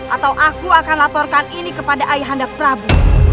atau aku akan laporkan ini kepada ayahandak prabu